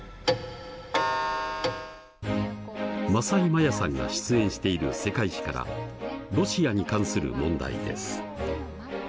政井マヤさんが出演している「世界史」からロシアに関する問題です。